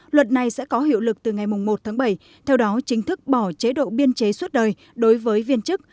luật này sẽ có hiệu lực từ ngày một tháng bảy theo đó chính thức bỏ chế độ biên chế suốt đời đối với viên chức